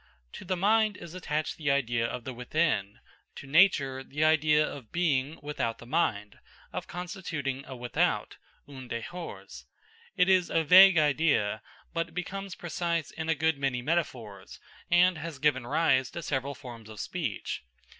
To the mind is attached the idea of the within, to nature the idea of being without the mind, of constituting a "without" (un dehors). It is a vague idea, but becomes precise in a good many metaphors, and has given rise to several forms of speech.